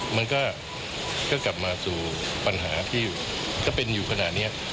มันก็กลับมาสู่ปัญหาที่ก็เป็นอยู่ขนาดนี้